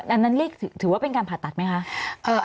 อันนั้นเรียกถือว่าเป็นการผ่าตัดไหมคะ